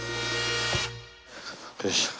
よいしょ。